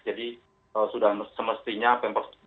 jadi sudah semestinya pembersih